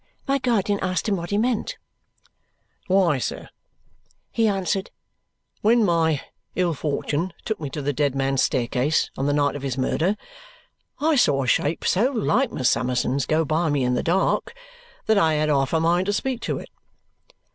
My guardian asked him what he meant. "Why, sir," he answered, "when my ill fortune took me to the dead man's staircase on the night of his murder, I saw a shape so like Miss Summerson's go by me in the dark that I had half a mind to speak to it."